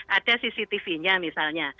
ada cctv nya misalnya